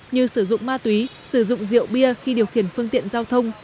như sử dụng ma túy sử dụng rượu bia khi điều khiển phương tiện giao thông